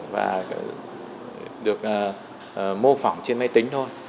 và được mô phỏng trên máy tính thôi